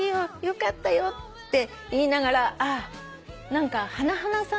よかったよって言いながらあっ何か花＊